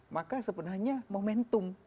maka sebenarnya momentum